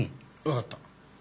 わかった。